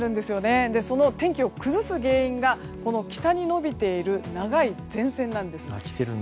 その天気を崩す原因が北に延びている長い前線です。